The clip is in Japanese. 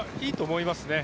いいと思います。